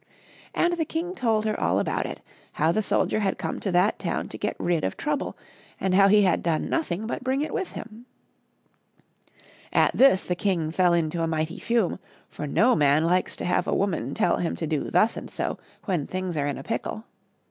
And the king told her all about it ; how the soldier had come to that town to get rid of Trouble, and how he had done nothing but bring it with him. " Perhaps," said she, "Trouble might leave him if he were married." At this the king fell into a mighty fume, for no man likes to have a woman tell him to do thus and so when things are in a pickle.